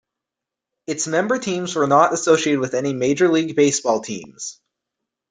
Its member teams were not associated with any Major League Baseball teams.